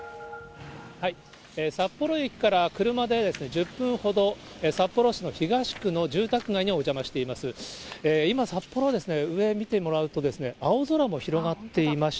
札幌駅から車で１０分ほど、札幌市の東区の住宅街にお邪魔しています。